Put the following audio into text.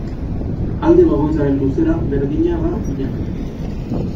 Alde bakoitzaren luzera berdina da binaka.